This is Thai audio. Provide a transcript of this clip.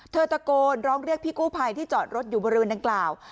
ตะโกนร้องเรียกพี่กู้ภัยที่จอดรถอยู่บริเวณดังกล่าว